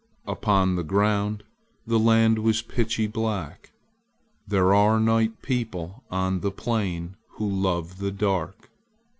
Upon the ground the land was pitchy black. There are night people on the plain who love the dark.